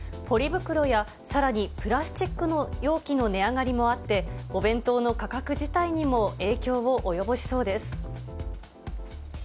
ポリ袋やさらにプラスチック容器の値上がりもあって、お弁当の価格自体にも影響を及ぼしそうです。